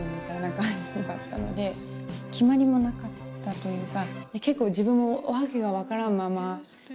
決まりもなかったというか。